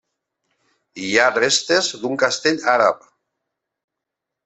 Hi ha restes d'un castell àrab.